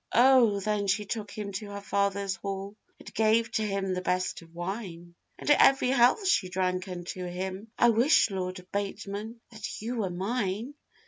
O! then she took him to her father's hall, And gave to him the best of wine; And every health she drank unto him, 'I wish, Lord Bateman, that you were mine!